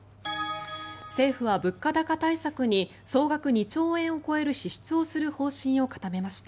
政府は物価高対策に総額２兆円を超える支出をする方針を固めました。